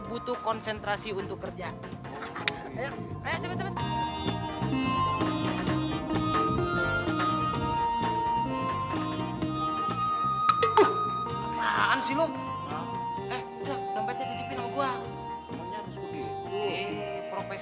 butuh konsentrasi untuk kerja ayo ayo cepet cepet